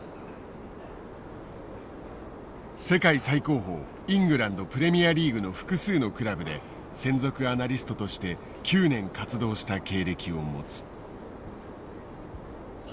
世界最高峰イングランドプレミアリーグの複数のクラブで専属アナリストとして９年活動した経歴を持つ。